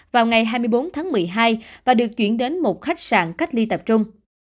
vào ngày hai mươi bốn tháng một mươi hai và được chuyển đến một khách sạn cách ly tập trung